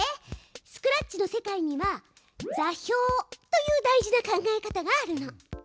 スクラッチの世界には座標という大事な考え方があるの。